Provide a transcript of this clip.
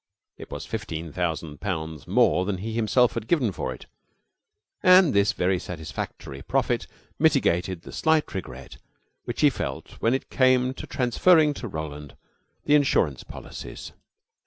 It was fifteen thousand pounds more than he himself had given for it, and this very satisfactory profit mitigated the slight regret which he felt when it came to transferring to Roland the insurance policies.